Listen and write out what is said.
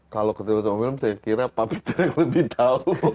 kalau keterlibatan dari om william saya kira pak peter yang lebih tahu